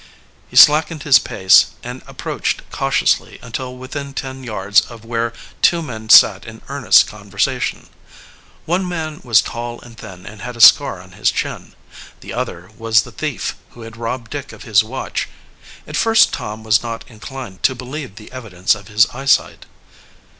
He slackened his pace and approached cautiously until within ten yards of where two men sat in earnest conversation. One man was tall and thin and had a scar on his chin. The other fellow was the thief who had robbed Dick of his watch. At first Tom was not inclined to believe the evidence of his eyesight.